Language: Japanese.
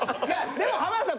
でも浜田さん